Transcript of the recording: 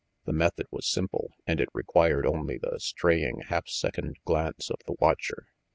The method was simple, and it required only the straying half second glance of the watcher.